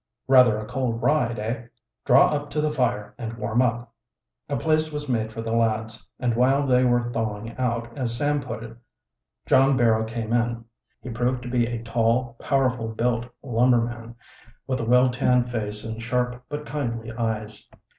Rather a cold ride, eh? Draw up to the fire and warm up." A place was made for the lads, and while they were "thawing out," as Sam put it, John Barrow came in. He proved to be a tall, powerful built lumberman, with a well tanned face and sharp, but kindly, eyes.